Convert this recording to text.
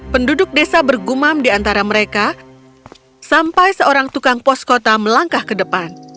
penduduk desa bergumam di antara mereka sampai seorang tukang pos kota melangkah ke depan